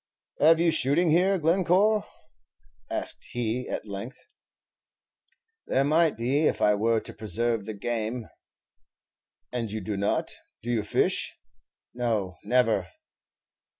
"Have you shooting here, Glencore?" asked he at length. "There might be, if I were to preserve the game." "And you do not. Do you fish?" "No; never."